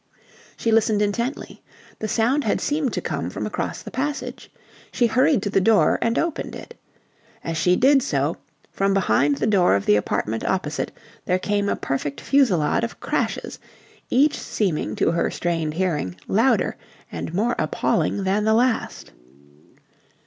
She listened intently. The sound had seemed to come from across the passage. She hurried to the door and opened it. As she did so, from behind the door of the apartment opposite there came a perfect fusillade of crashes, each seeming to her strained hearing louder and more appalling than the last.